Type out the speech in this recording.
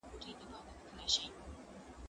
زه له سهاره لاس پرېولم!!